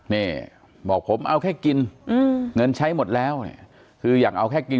นี่บอกผมเอาแค่กินเงินใช้หมดแล้วเนี่ยคืออยากเอาแค่กิน